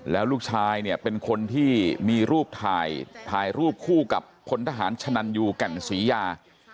แล้วลูกชายเนี่ยเป็นคนที่มีรูปถ่ายถ่ายรูปคู่กับพลทหารชะนันยูแก่นศรียา